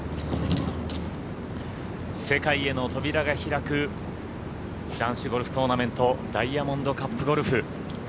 世界への扉が開く男子ゴルフトーナメントダイヤモンドカップゴルフ。